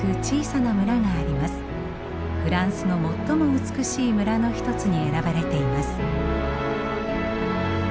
フランスの最も美しい村の一つに選ばれています。